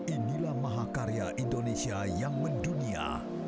inilah mahakarya indonesia yang mendunia